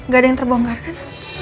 gak ada yang terbongkar kan